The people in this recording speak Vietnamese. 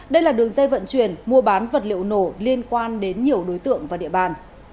đây là đường dây vận chuyển mua bán vật liệu nổ liên quan đến nhiều đối tượng và địa bàn